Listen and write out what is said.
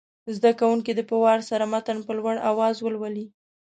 زده کوونکي دې په وار سره متن په لوړ اواز ولولي.